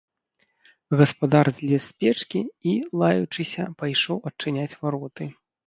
Гаспадар злез з печкі і, лаючыся, пайшоў адчыняць вароты.